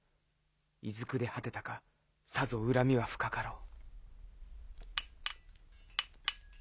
いずくで果てたかさぞ恨みは深かろう。